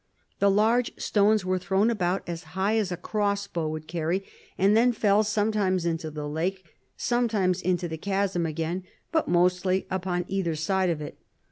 The large stones were thrown about as high as a crossbow would carry, and then fell, sometimes into the lake, sometimes into the chasm again; but mostly upon either side of it.